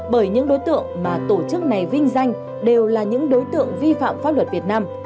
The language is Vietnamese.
bởi những đối tượng mà tổ chức này vinh danh đều là những đối tượng vi phạm pháp luật việt nam